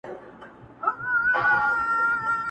ژونده راسه څو د میني ترانې سه,